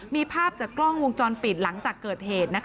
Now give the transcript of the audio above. มีภาพจากกล้องวงจรปิดหลังจากเกิดเหตุ